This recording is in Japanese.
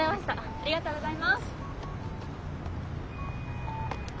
ありがとうございます。